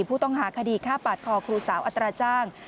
ผู้ต้องหาคดีฆ่าปาดคอครูสาวอัตราจ้าง